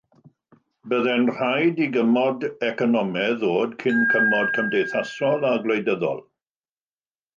Byddai'n rhaid i gymod economaidd ddod cyn cymod cymdeithasol a gwleidyddol.